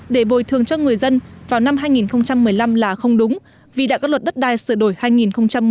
để bồi thường cho người dân vào năm hai nghìn một mươi năm là không đúng vì đã có luật đất đai sửa đổi hai nghìn một mươi